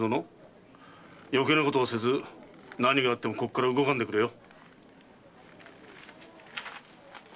余計なことはせず何があってもここから動かんでくれよ。